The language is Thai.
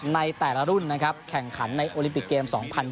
ในแต่ละรุ่นนะครับแข่งขันในโอลิมปิกเกม๒๐๒๐